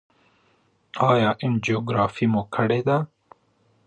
ایا انجیوګرافي مو کړې ده؟